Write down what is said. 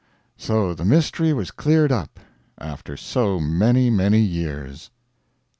So the mystery was cleared up, after so many, many years.